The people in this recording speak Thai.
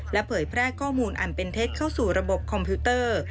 เผยแพร่ข้อมูลอันเป็นเท็จเข้าสู่ระบบคอมพิวเตอร์